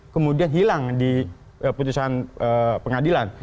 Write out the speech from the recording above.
kemudian hilang di putusan pengadilan